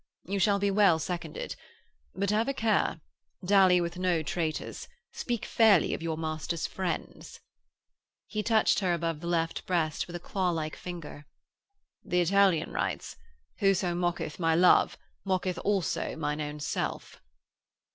'You shall be well seconded. But have a care. Dally with no traitors. Speak fairly of your master's friends.' He touched her above the left breast with a claw like finger. 'The Italian writes: "Whoso mocketh my love mocketh also mine own self."'